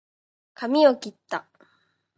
かみをきった